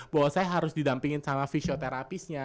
bahwa saya harus didampingin sama fisioterapisnya